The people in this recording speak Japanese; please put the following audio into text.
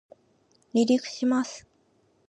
離陸します